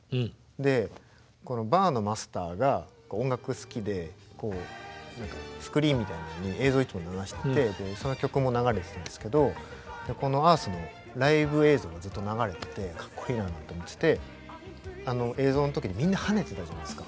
このバーのマスターが音楽好きでスクリーンみたいなのに映像をいつも流しててその曲も流れてたんですけどこのＥａｒｔｈのライブ映像がずっと流れててかっこいいななんて思っててあの映像の時にみんな跳ねてたじゃないですか。